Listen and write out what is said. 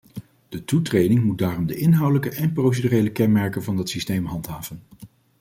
De toetreding moet daarom de inhoudelijke en procedurele kenmerken van dat systeem handhaven.